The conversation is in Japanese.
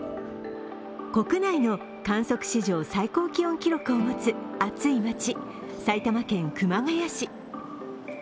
国内の観測史上最高気温記録を持つ暑い街、埼玉県熊谷市。